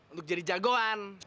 untuk jadi jagoan